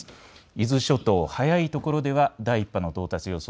伊豆諸島、早いところでは第１波の到達予想